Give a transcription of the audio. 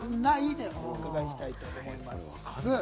でお伺いしたいと思います。